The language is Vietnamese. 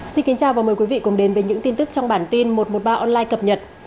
xin kính chào và mời quý vị cùng đến với những tin tức trong bản tin một trăm một mươi ba online cập nhật